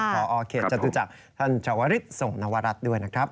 พอเขตจัดตัวจากท่านเจ้าวริสทรงนวรรัฐด้วยนะครับ